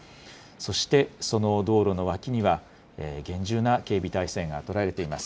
そして、その道路の脇には、厳重な警備態勢が取られています。